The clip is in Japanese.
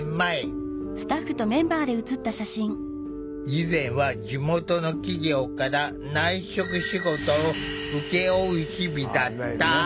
以前は地元の企業から内職仕事を請け負う日々だった。